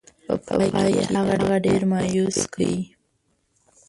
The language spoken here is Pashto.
په پای کې یې هغه ډېر مایوس کړ.